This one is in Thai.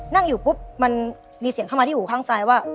นั่งอยู่ปุ๊บมันมีเสียงเข้ามาที่หูข้างซ้ายว่า